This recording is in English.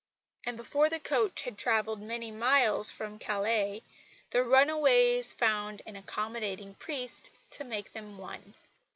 And before the coach had travelled many miles from Calais the runaways found an accommodating priest to make them one.